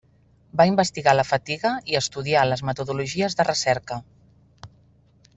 Va investigar la fatiga i estudià les metodologies de recerca.